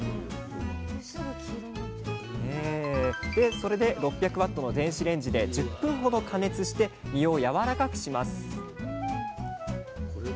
それで６００Ｗの電子レンジで１０分ほど加熱して実をやわらかくします